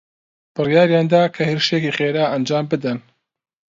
بڕیاریان دا کە هێرشێکی خێرا ئەنجام بدەن.